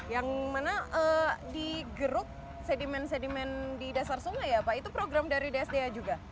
yang mana digeruk sedimen sedimen di dasar sungai ya pak itu program dari dsda juga